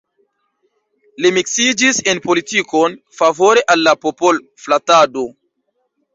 Li miksiĝis en politikon, favore al la popol-flatado.